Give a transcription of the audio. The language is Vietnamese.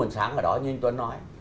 sáng ở đó như anh tuấn nói